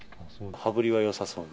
羽振りがよさそう？